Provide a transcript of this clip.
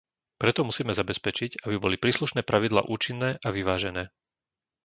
Preto musíme zabezpečiť, aby boli príslušné pravidlá účinné a vyvážené.